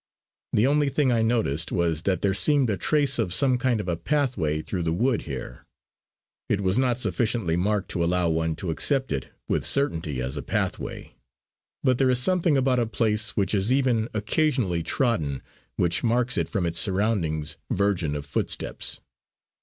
The only thing I noticed was that there seemed a trace of some kind of a pathway through the wood here. It was not sufficiently marked to allow one to accept it with certainty as a pathway; but there is something about a place which is even occasionally trodden, which marks it from its surroundings virgin of footsteps.